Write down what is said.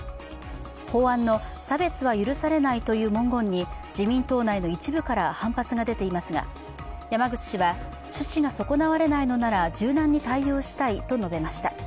法案の差別は許されないという文言に自民党内の一部から反発が出ていますが、山口氏は趣旨が損なわれないのなら柔軟に対応したいと述べました。